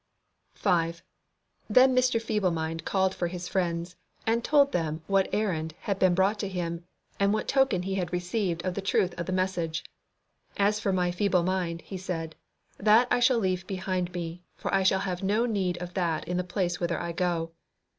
5. Then Mr. Feeble mind called for his friends and told them what errand had been brought to him, and what token he had received of the truth of the message. "As for my feeble mind," he said, "that I shall leave behind me, for I shall have no need of that in the place whither I go.